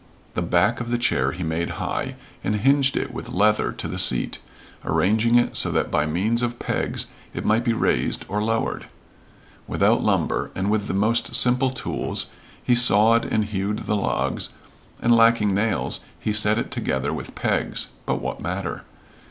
The back of the chair he made high, and hinged it with leather to the seat, arranging it so that by means of pegs it might be raised or lowered. Without lumber, and with the most simple tools, he sawed and hewed the logs, and lacking nails he set it together with pegs, but what matter?